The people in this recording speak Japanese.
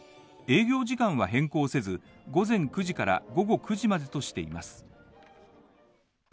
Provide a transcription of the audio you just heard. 営業時間は変更せず、午前９時から午後９時までとしています。